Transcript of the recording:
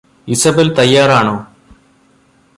Isabel തയ്യാറാണോ